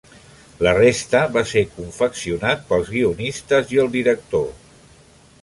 La resta va ser confeccionat pels guionistes i el director.